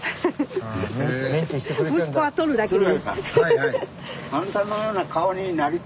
息子は取るだけで。